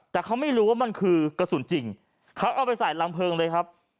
แต่เขาไม่รู้ว่ามันคือกระสุนจริงเขาเอาไปใส่ลำเพลิงเลยครับ